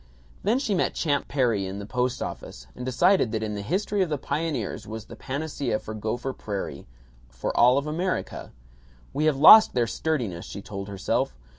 Then she met Champ Perry in the post office and decided that in the history of the pioneers was the panacea for Gopher Prairie, for all of America. We have lost their sturdiness, she told herself.